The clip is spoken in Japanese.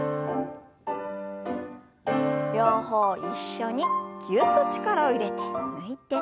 両方一緒にぎゅっと力を入れて抜いて。